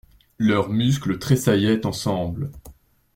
Leurs muscles tressaillaient ensemble.